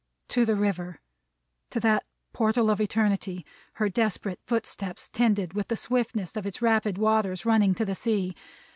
To the River! To that portal of Eternity, her desperate footsteps tended with the swiftness of its rapid waters running to the sea.